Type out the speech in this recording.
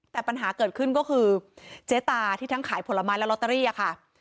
แต่ปัญหาเกิดขึ้นก็คือเจ๊ตาที่ทั้งขายผลไม้และลอตเตอรี่ค่ะ